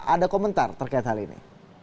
ada komentar terkait hal ini